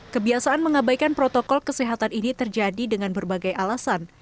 kebiasaan mengabaikan protokol kesehatan ini terjadi dengan berbagai alasan